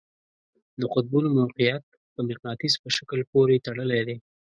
د قطبونو موقیعت په مقناطیس په شکل پورې تړلی دی.